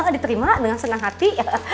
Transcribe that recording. diterima dengan senang hati